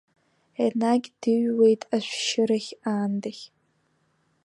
Енагь дыҩуеит ашәшьырахь, аандахь!